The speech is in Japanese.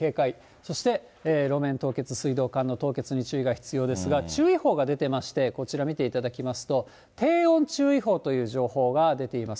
そして路面凍結、水道管の凍結に注意が必要ですが、注意報が出てまして、こちら見ていただきますと、低温注意報という情報が出ています。